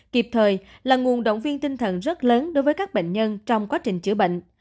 kịp thời là nguồn động viên tinh thần rất lớn đối với các bệnh nhân trong quá trình chữa bệnh